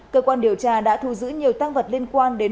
cơ quan điều tra đã thu giữ nhiều tăng vật liên quan đến hội đồng